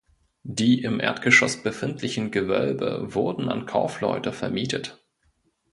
Die im Erdgeschoss befindlichen Gewölbe wurden an Kaufleute vermietet.